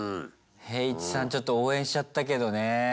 ヘーイチさんちょっと応援しちゃったけどね。